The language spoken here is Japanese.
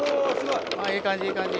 いい感じいい感じ。